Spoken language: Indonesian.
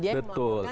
dia yang melakukan